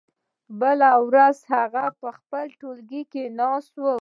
بله ورځ هغه په خپل ټولګي کې ناست و.